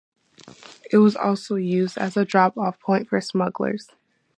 It was also used as a drop off point for smugglers.